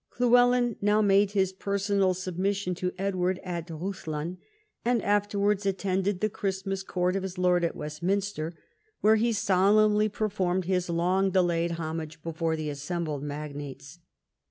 Llywelyn now made his personal submission to Edward at Rhuddlan, and afterwards attended the Christmas court of his lord at Westminster, where he solemnly performed his long delayed homage before the assembled magnates.